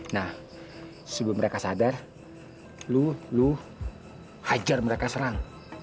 nah sebelum mereka sadar lu hajar mereka serang